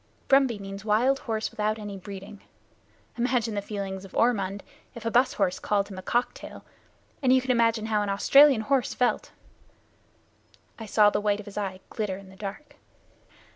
Brumby means wild horse without any breeding. Imagine the feelings of Sunol if a car horse called her a "skate," and you can imagine how the Australian horse felt. I saw the white of his eye glitter in the dark.